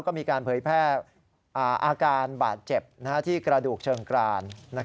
ก็มีการเผยแพร่อาการบาดเจ็บที่กระดูกเชิงกราน